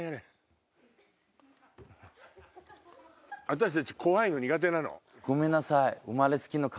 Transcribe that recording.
私たち怖いの苦手なの。